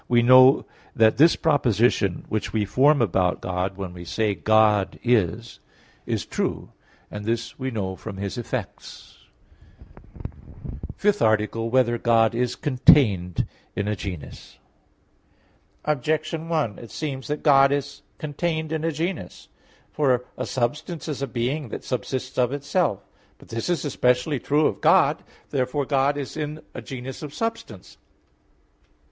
We know that this proposition which we form about God when we say "God is," is true; and this we know from His effects (Q. 2, A. 2). ______________________ FIFTH ARTICLE [I, Q. 3, Art. 5] Whether God Is Contained in a Genus? Objection 1: It seems that God is contained in a genus. For a substance is a being that subsists of itself. But this is especially true of God. Therefore God is in a genus of substance.